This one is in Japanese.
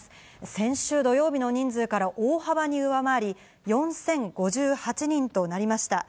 先週土曜日の人数から大幅に上回り、４０５８人となりました。